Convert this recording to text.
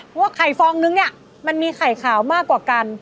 เพราะว่าไข่ฟองนึงเนี่ยมันมีไข่ขาวมากกว่ากัน